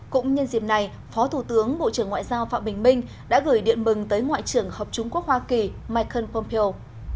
cũng nhân dịp này phó thủ tướng bộ trưởng ngoại giao phạm bình minh đã gửi điện mừng tới ngoại trưởng hợp chúng quốc hoa kỳ michael pompeo